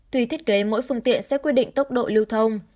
tùy thiết kế mỗi phương tiện sẽ quy định tốc độ lưu thông